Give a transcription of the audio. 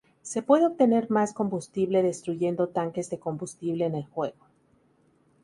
Se puede obtener más combustible destruyendo tanques de combustible en el juego.